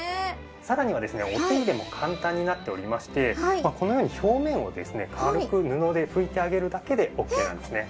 さらにはですねお手入れも簡単になっておりましてこのように表面をですね軽く布で拭いてあげるだけでオッケーなんですね。